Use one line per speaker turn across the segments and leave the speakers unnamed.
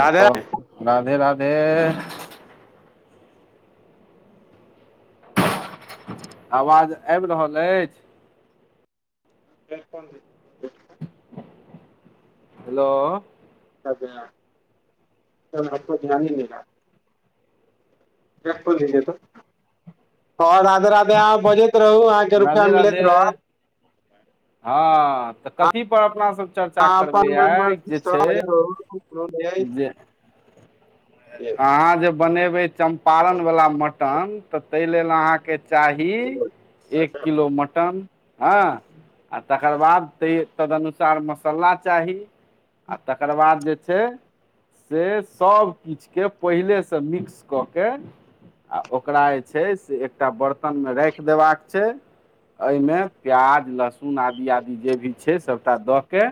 राधे रा
और राधे-राधे। आवाज आबि रहल अछि।
कोन।
हेलो।
को ध्यान ही देला। देखओर राधे-राधे। अहां बजैत। रहू अहाँके रुपैआ
राधे
मिलैत
राधे।
रहत
हँ तऽ कथी पर अपना सब। चर्चा
अहाँ
करबै
अपन मन
आइ
मर्जी
जे
सँ
छै
बजैत रहू कोनो नहि
जे।
अछि
अहाँ जे बनेबै चंपारण वला मटन तऽ ताहि लेल अहाँके। चाही एक किलो मटन। हँ, आ तकर बाद त तदनुसार मस्सला चाही। आ तकर बाद जे छै से सभ। किछ के पहिले मिक्स कऽ के आ ओकरा जे छै से एकटा बर्। तन में राखि देबाक छै। एहिमें प्याज, लहसुन, आदि, आदि जे भी छै सभटा दऽ कऽ।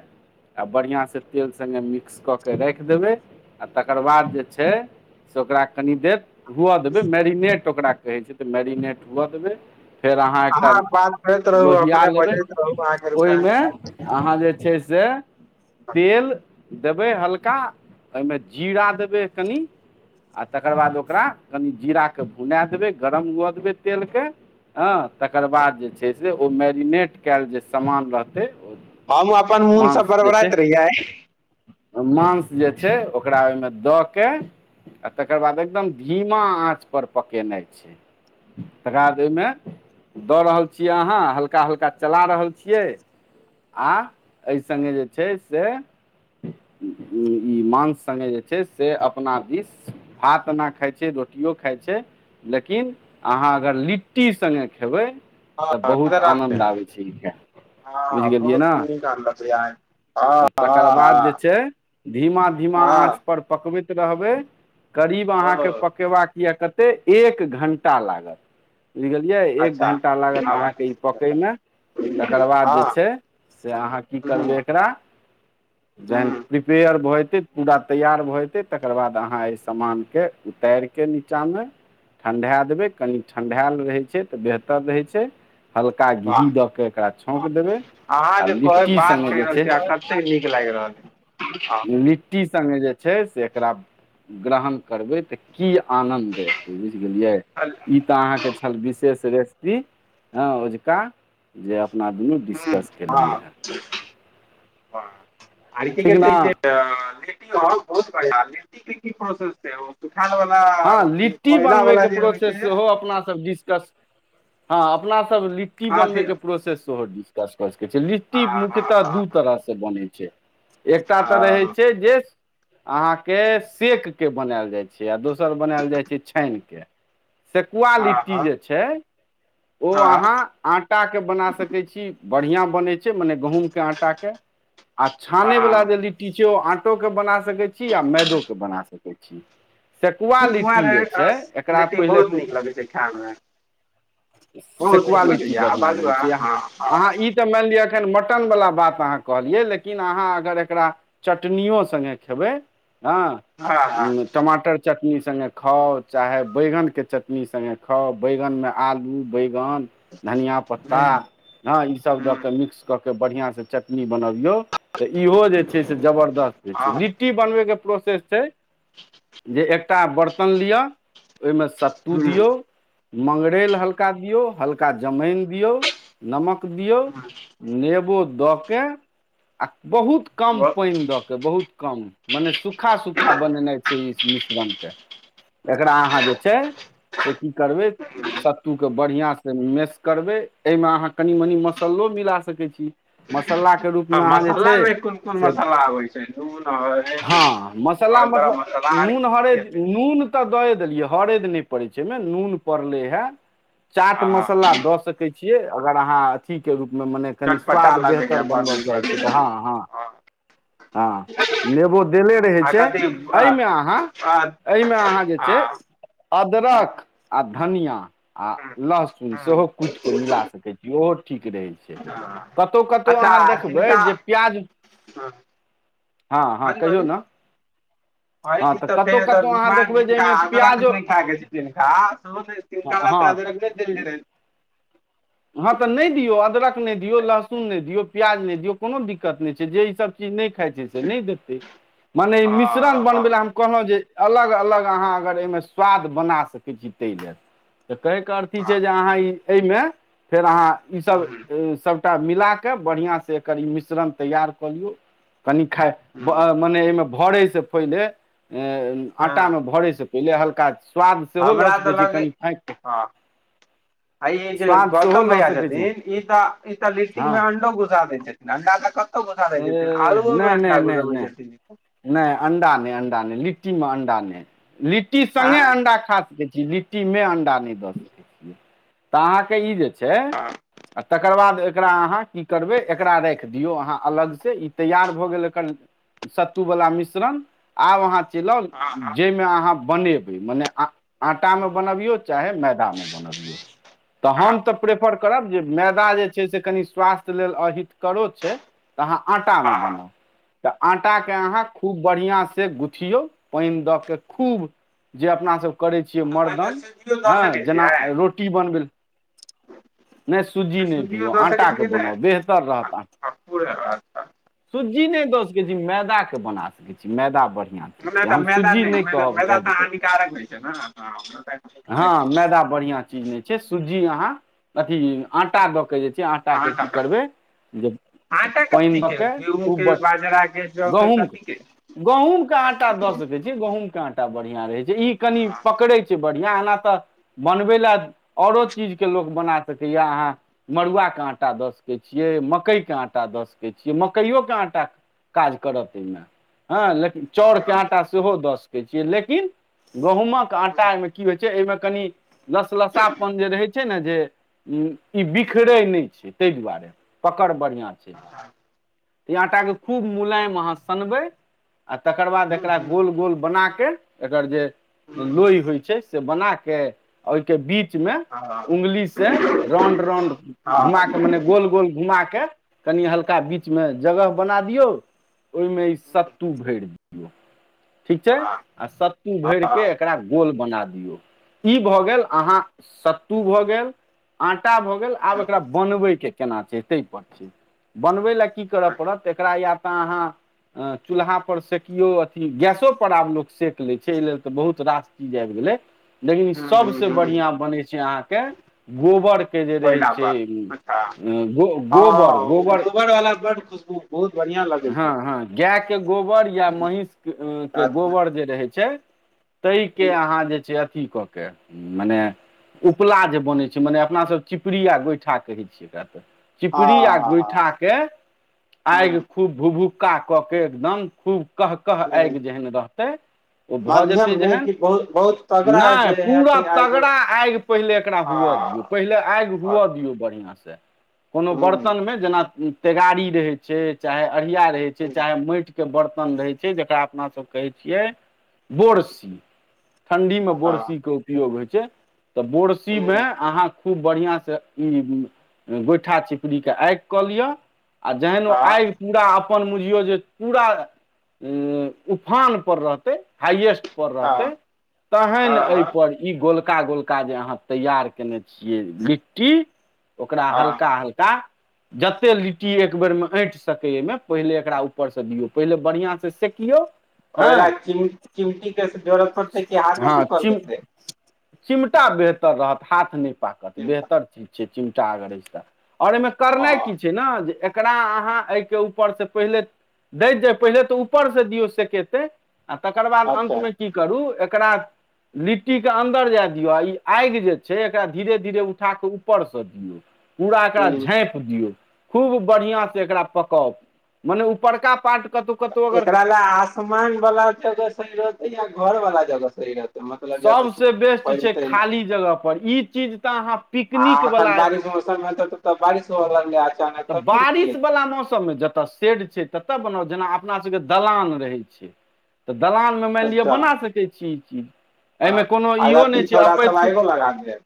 आ बढ़िआँ से तेल संगे मिक्स कऽ के रइख देबै आ तकर बाद जे। छै से ओकरा कनी देर हूअऽ देबइ मेरिनेट। तऽ ओकरा कहै छै तऽ मैरिनेट हुअ देबै। फेर अहाँ एकटा
बात करैत रहू
लोहिआ
अपने
लेबै,
बजैत रहू अहाँके रुपैआ मिलत
ओहिमें अहाँ जे। छै से तेल देबै हल्का, ओमें जीरा देबै। कनी। आ तकर बाद ओकरा, कनि जीराकेँ भुना देबै गरम हुअ देबै तेलके। हँ तकर बाद जे छै से, ओ मैरिनेट कयल जे सामान रहतै। ओ
हम अपन मोनसँ
मांस जे छै
बरबराइत रहिय।
मांस जे छै ओकरा ओहिमें। के आ तकर बाद एकदम धीमा आँच पर पकेनाइ छै। तकर बाद ओयमें। दऽ रहल छियै अहाँ, हल्का-हल्का चला रहल छियै। आ एहि संगे जे छै से। ई मांस संगे जे छै। से अपना दिस भातना खाइ छै, रोटियो खाइ छै। लेकिन अहाँ अगर लिट्टी संगे खेबै।
हँ
तऽ
राधे
बहुत
राधे
आनन्द आबै छैइ।
हँ बहुत पूरी क बतै य।
तऽ तकर बाद जे छै, धीमा-धीमा आँच
हँ
पर पक। बैइत रहबै, करीब
हँ
अहाँके
ओ
पकेबाक। य कते, एक घण्टा लागत। बुझि गेलियै, एक
अच्छा
घण्टा लागत
आवाज
अहाँके ई पकैमें। तकर बाद जे
हँ
छै, से अहाँ की
हूँ
करबै एकरा। जहन
हूँ
प्रिपेयर भऽ जइतै पूरा तैयार भऽ। तकर बाद अहाँ एहि सामान के उतैरि के नीचा में। ठण्ढाए देबै, कनि ठण्ढायल रहै छै तऽ बेहतर रहै छै। हल्का
वाह
घी दऽ के एकरा छौंक देबै,
अहाँ
आ
जे
लिट्टी सङ्गे जे छै।
कर।
लिट्टी संगे जे छै से, एकरा ग्रहण करबै तऽ की। आनंद एते बुझ गेलियै, ई तऽ अहाँ के छल विशेष रे। सेपि ओझका जे। अपना दुनू
ह
डिस्कस
हँ। ह
केलियै
आ
ठीक ने
कह [unintelligible] ओ बहुत बढ़िआ, राजनीति के की प्रोसेस छै। सुखायल वाला
हँ, लिट्टी
कोयला वाला
बनबैके
जे होइ
प्रोसेस
छै
सेहो अपनासभ डिस्कस। हँ, अपना सब लिट्टी बनबै
अथी
के प्रोसेस सेहो डिस्कस क। कह छै, लिट्टी मुख्यतः
हँ
दू तरहसँ बनैत छै एकटा तऽ रहैत छै जे। अहाँके सेक के बनायल जाइ छै, आ दोसर बनायल जाइ छै छानिके। सेकुआ लिट्टी
हँ
जे छै, ओ
हँ
अहाँ आटाकेँ बना सकै छी। बढ़िया बने छै, मने गहुंम के आटा के आ छाने वाला
हँ
जे लिट्टी छै ओ आटा। टो के बना सकैत छी, आ मैदो के बना सकैत छी। सेकुआ
ठकुआ
लिट्टी जे
रे
छै एकरा
लिट्टी
पहिले।
बहुत नीक लगै छै खाय मे बहुत
सेकुआ
नीक
लिट्टी
लगैय आ
बढ़िआँ
बाजू
भेलै, जे अहाँ इ तऽ मानि लिय। खैर, मटन वला बात अहाँ कहलियै, लेकिन अहाँ अगर एकरा चटनीयो सङ्गे खेबै। हँ, टमाटर। चटनी संगे खाउ, चाहे बैगन के चटनी संगे खाउ, बैगन में आलू बैगन। न, धनियां पत्ता,
हँ
हँ ई सब
हँ
द मिक्स क। बढ़ियाँ से चटनी बनबियौ तऽ इहो जे से छै जबरदस्त होय छै,
हँ हँ
लट्टी बनबैक। प्रोसेस छै। जे एकटा बरतन लिअ, ओहि में सत्तू दियौ। मंगरैल हल्का दियौ, हल्का जमाइन दियौ, नमक। दियौ,
हँ
नेबो दऽके आ। बहुत कम
हँ
पानि द के, बहुत कम, मने सूखा-सूखा बनेनाइ छै ई। मिश्रण के, एकरा अहाँ जे छै से की करबै
हँ
सत्तू। बढ़ियाँ से मेस करबै, अहिमें अहाँ कनी-मनी मस्सलो मिला सकै छी। मस्सला के रूप
हँ
में अहाँ जे छै
मसालामे कोन कोन
से,
मसाला आबै छै नून हरदि
हँ मस्सला
आओर गरम
मतलब।
मसाला आर
नून
की की
हरैद,
हेतै
नून तऽ दए देलियै, हरैद नहि पड़ै छै एहिमें, नून पड़लै हे। चाट
हँ
मस्सला दऽ सकै छियै, अगर अहाँ अथि रूप। मने कनि
चटपटा
स्वाद
लगैए
बेहतर
बड़
बनबय
नीक
चाहै छीयै
लगैए
तऽ हँ हँ। हँ नेबो देले रहै
आ
छै,
कथी
एहिमे। एहिमे अहाँ,
हँ
एहिमें अहाँ छै जे
हँ
अदरक आ धनियाँ। आ लहसुन सेहो कुटि क मिला सकैत छी ओहो। ठीक रहै छै,
हँ
कतहु-कतहु अहाँ देखबै जे प्याज।
हँ।
हँ हँ कहियौ ने। हँ
तऽ
कतहु
फेर
कतहु अहाँ
बीमार
देखबै
जिनका
जाहिमे
अदरक
प्याजो
नइ खैय के छै जिनका।
हँ
अदरक नइ देल गेल रहे।
हँ तऽ नहि दियौ, अदरक नहि दियौ, लहसुन नहि दियौ, प्याज नहि दियौ, कोनो दिक्कत नहि छै जे ईसभ चीज नहि। खाइ छै से नहि देते, मने मिश्रण बनबे ल
हँ
हम कहलहुँ जे। अलग-अलग अहाँ अगर एहिमें स्वाद बना सकै छी ताहि ले। त कहैके अर्थ इ छै,
हँ
जे अहाँ ई एहिमे फेर अहाँ ईसभ सब। एकरा मिलााक, बढ़िआं से एकर ई मिश्रण तैयार कऽ लियौ। कनि खाय मने एहिमे भरे से पहिले, ए इ आटा
हँ
मे भरे से पहिले हल्का स्वाद सेहो लऽ
हमरा
सकै
तऽ
छी,
लगै
कनि फाइक के
हँ
स्वाद सेहो
उत्तम
लऽ
भैया
सकैत छी
छथिन। ई तऽ, ई तऽ लिट्टी मे अंडो घुसा देेइ छथिन, अंडा त क
एह नहि, नहि, नहि नहि,
छथिन
नहि, अण्डा नहि, अणडा नहि, लि लिट्टी मे अंडा नहि, लिट्टी
आँ
संगे अंडा खा लिट्टी मे अंडा नहि दऽ सकैत छीयै, तऽ अहाँके ई जे छैय, तेकर बाद एकरा अहाँ की करबै, एकरा राखी दियो अहाँ। अलग से इ तैयार भऽ गेले क सत्तू वला मिश्रण, आब अहाँ चेलब
हँ हँ
जेमे अहाँ बनेबै, मने आ आटा मे
हूँ
बनबियौ, चाहे मैदा मे बनबियौ, तऽ हम ते प्रेफर करब जे मैदा जे छै, से कनि स्वास्थ्य लेल अहितकरो छै। अहाँ आटा मे बनाउ, ते आटा के अहाँ खूब बढ़िया से गुथियौ, पाइन द के खूब जे अपना सब करै छियै
ओहिमे
मरदन,
सूजियो दऽ
हाँ
सकै
जेना
छियै
रोटी बनबैले। ने सुज्जी ने
सूजियो
दियौ,
दऽ सकै छियै
आटाकेँ
कि
बनाउ, बेहतर रहत आ
नहि पूरा अच्छा
जी ने द सके छिये, मैदा के बना सकै छी, मैदा बढ़ि
नै ते मैदा ने मैदा, मैदा ते हानिकारक होय छै ने हाँ।
हाँ मैदा बढ़ियाँ चीज ने छै, सुज्जी अहाँ अथी आटा दऽ केऽ जे, आटाके
आटा
की
तऽ
करबै जे
आटा
पानि
कथी
दऽ
के गेहूँ के,
खूब
बाजरा के, जौ के, कथी के?
गहुँमके
हँ
आटा दऽ सकै छीयै, गहुमके आटा बढ़ियाँ रहै छै, इ कनि पकड़ै छै। या एना त, बनबै ले औरो चीज के लोक बना सकैया, अहाँ मड़ुआ के आ आटा द सके छियै, मकय के आटा द सके छियै, मकयो के आटा काज करत ओइ मे। हाँ, लेकिन चौउर के
हँ
आटा सेहो दऽ सकै छीयै, लेकिन गहुमक आटामे एमे कनि लस लसापन जे रहै छै ने जे उम्म इ बिखरै ने छै, ते दुआरे पकड़ बढ़ियाँ छै। इ आटाके खूब मुलायम अहाँ सनबै, आ तकर बाद
हूँ हूँ
एकरा गोल- गोल बना के, एकर जे
हूँ
लोई होय छै, से बना के ओयके बी च मे,
हँ
उंगली से रॉन्ड रॉन्ड घुमा
हँ
के, मने गोल गोल घुमा के, कनि हल्का बी बीच मे जगह बना दियौ, ओयमे इ सत्तू भैर दियौ। ठीक छै, आ सत्तू भैर के एकरा गोल बना दियौ, इ भऽ गेल, अहाँ सत्तू भऽ गेल, आ टा भऽ गेल, आब एकरा बनबै के केना छै ते पर छै, बनबै ले की कर पड़त, एकरा या ते अहाँ अ चूल्हा पर सेकियो, अथी गैसो पर आब लोक सेकलै छै, ए लेल ते बहुत रास चीज आब गे ले। लेकिन सबसे बढ़ियाँ बनै छै, अहाँके गोबर के जे रहै
कोयला
छै,
पर अच्छा
उम्म उम्म गो गोबर गोबर
कर खुशबू बहुत ब
हाँ, हाँ, गायके गोबर, या महीष के ए
हँ
गोबर जे रहै छै। तय के अहाँ जे छै अथ अथी कऽ के, मने उपला जे बनै छै, मने अपना सब चिपरी, आ गोइठा कहै छियै एकरा ते। चिपरी आ
हँ
गोइठा के, आएग खूब भू भुक्का क के, एकदम खूब कह- कह आएग
हँ
जेहेन रहते। ओ भऽ
माध्यम
जेतै
मे
जेहेन,
कि बहुत बहुत
नै
तगड़ा जे
पूरा
हेतै आइ हँ
तगड़ा आएग पहिले एकरा हुअ हुअ दियौ, पहिले आग
हँ
हुआ दियौ बढ़िया से, कुनो बर्तन मे जेना उम्म तेगाड़ी रहे छै, चाहे अड़िया रहे छै, चाहे मेएट के बर्तन रहै छै, जेकरा अपना सब कहै छियै बोरसी। ठंडी मे बोरसी के उपयोग होय छै, तऽ बोरसी मे
हँ
अहाँ खूब बढ़ियाँ से इ उम्म गोइठा, चिपड़ी के आएग कऽ लियअ। आ जेहेन ओ
हँ
आएग पूरा अपन बुझियौ जे, पूरा उम्म उफान पर रहतै। हाइएस्ट पर रहतै, तहन ए
हँ
पर इ गोल का, गोलका जे अहाँ तैयार केने छियै लिट्टी। ओकरा
हँ
हल्का -हल्का जते लि ट्टी एक बेर मे ऐट सकै एहिमे, पहिले एकरा ऊपर से दियौ, पहिले बढ़ियां से सेकियो।
ओहिरा चिम चिमटीके जरुरत पड़तै कि
हँ
हाथेसँ कल
चिम
देतै?
चिमटा बेहतर रहत, हाथ नहि पाकत, बेहतर चीज छै, चिमटा अगर एछत। और एहिमे करनाइ
हँ
की छै ने जे एकरा अहाँ एहिके ऊपर से पहिले दैत जाय पहिले तऽ ऊपर से दियौ सेकेतै। आ तकर बाद
अच्छा
अन्तमे की करू एकरा लिट्टीके अन्दर जाय दियौ, आ ई आगि जे छै एकरा धीरे- धीरे उठा कऽ ऊपरसँ दियौ। पूरा एकरा
ह
झाँपि दियौ, खूब बढ़िआँ से एकरा पकाउ, मने ऊपरका पाट
एकरा लए आसमान वाला जगह सही रहतै, या घर वाला जगह सही रहतै। मतलब ज
सभसे बेस्ट छै
पलतै ने
खाली जगह पर, ई चीज तऽ अहाँ पिकनिक वला
ओइ सम मे त बारिश होअ लग
तऽ बारिश वला मौसममे, जतऽ सेड छै। ततऽ बनाउ जेना अपना सबके दलान रहै छै, तऽ दलान मे मानि
हेतै तब
लिअ
तऽ
बना सकै छी। चीज
अ,
एहिमे कोनो
आ
इहो
राति
नहि छै,
छौड़ा सब
अपैत कू
आगो लगा देत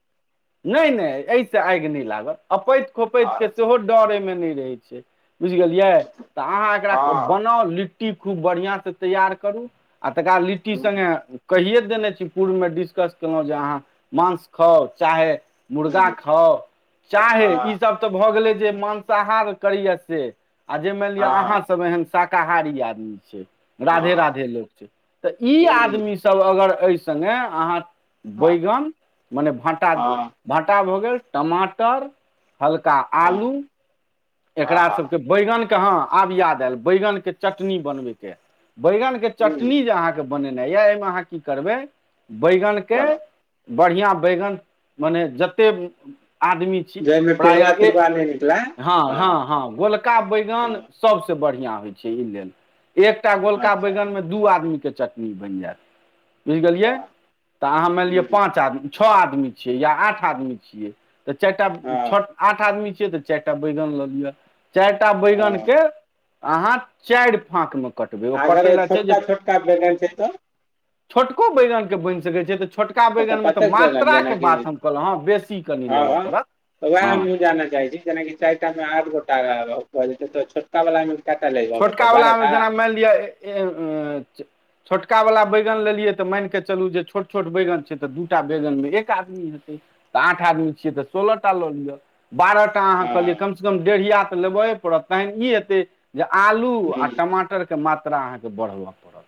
नहि, नहि, एहिसँ आगि नहि लागल, अपैत खोपैतके
और
सेहो डर एहिमे नहि रहैत छै। बुझि गेलियै, तऽ अहाँ एकरा
हँ
बनाउ, लिट्टी खूब बढ़िआँसँ तैयार करू। आ तकाद लिट्टी
हूँ,
सङ्गे कहिे देने छी, पूर्वमे डिस्कस केलहुँ जे अहाँ मांस खाउ चाहे मुर्गा
हूँ,
खाउ, चाहे ई
हँ
सब तऽ भऽ गेलै जे मांसाह करैय से, आ जे मानि लि अहाँ
हँ
सब एहन शाकाहारी आदमी छै। राधे
हँ
राधे लोक छै, तऽ ई
हूँ,
आदमीसभ अगर एहि सङ्गे अहाँ
हँ
बैगन मने भाटा,
हँ
भाटा भऽ गेल, टमाटर, हल्का
हँ
आलू,
हँ
एकरा
हँ
सबके बैगन। हँ, आब याद आयल, बैगन के चटनी बनबै के, बैगन के
हूँ,
चटनी जे अहाँके बनेनाइ य, एहिमे अहाँ की करबै, बैगन के।
चलो
बढ़िआँ बैगन मने जतेक आदमी छी
जाहिमे पेलुआ
प्रायः ए
तेलुआ नहि निकलै
हँ, हँ, हँ, गोलका बैगन
हँ
सभसँ बढ़िआँ होइ छै, ई लेल। एकटा गोलका
अच्छा
बैगन में, दू आदमी के चटनी बनि जायत। बुझि गेलियै,
हँ
तऽ अहाँ मानि लिअ पाँच आदमी छियै, या छ आदमी छियै, या आठ आदमी छियै। तऽ चारि टा छ आठ आदमी छियै तऽ चारिटा बैगन लऽ लिअ। चारटा बैगन
हँ
के अहाँ, चारि फाक मे
अगर छोटका-छोटका बैगन छै तऽ।
छोटको बैगनके बनि सकैत छै तऽ। छोटका
ओतऽ
बैगन में तऽ
कतेक बैगन
मात्राके
जेनाकि
बात हम कहलहुँ हेँ, बेसी कनि लेबऽ पड़त।
उएह
हँ
हमहू जानऽ चाहै छी, जेनाकि चारिटामें आठ गोटा कऽ भ जेतैय तऽ छोटा वलामें।
छोटकावलामें जेना मानि लिय ए। छोटका वाला बैगन लेलियै तऽ मैन के चलू जे छोट- छोट बैगन छै तऽ दूटा बैगन में एक आदमी हेतै। तऽ आठ आदमी छियै तऽ सोलह टा लऽ लिय। बारह टा अहाँ कहलियै,
हँ
कमसँ कम डेढ़िया तऽ लेबये पड़त तखन ई हेतै। जे आलू आ
हुँ
टमाटरके मात्रा अहाँके बढ़बऽ पड़त।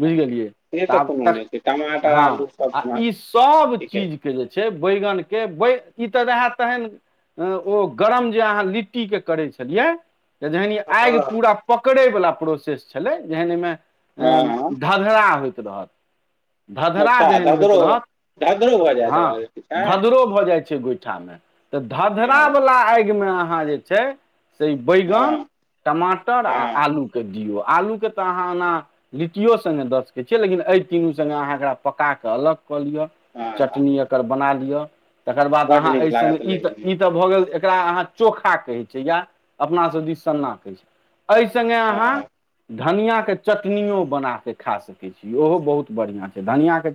बुझि गेलियै
से
तऽ आब
कोनो
तक।
नहि छै टमाटर
हँ
आलू
आ
सब
ई सब
ठीके छै।
चीजके जे छै बैगन। के ई तऽ रहै तहैन। ओ गरम जे अहाँ लिट्टी के करै छलिय। आगि
हँ
पूरा पकड़ै वाला प्रोसेस छलै, जखन अइ
हँ
में
हँ
धधरा होय। तधा। धधरा
अच्छा
जेहन होइत
धदरो
रहत
धदरो भऽ जायत
हँ,
भऽ जेतै छै
धधरो भऽ जाइत छै। छै गोइठा में, तऽ धधरा
हँ
वला आगि मे अहाँ जे छै से बैगन।
हँ
टमाटर आ
हँ
आलू के दियौ। आलूके तऽ अहाँ ओना लिट्टिओ संगे द सकै छियै, लेकिन एहिइ तीनू सङ्गे अहाँ एकरा पका कऽ अलग। क लिय,
हँ हँ
चटनी एकर बना लिय, तकर बाद
बड्ड
अहाँ एहिे
नीक
संगे
लागत
ई त
लेकिन
ई त भ गेल। एकरा अहाँ चोखा कहै छै, या अपना सब दिस सन्ना कहै छै। अहि सङ्गे अहाँ।
हँ
धनियां के चटनियो बना के खा सकै छी, ओहो बहुत बढ़ियां छै धनिया के।